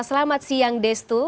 selamat siang destur